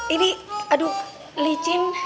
ini aduh licin